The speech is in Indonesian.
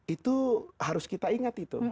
itu harus kita ingat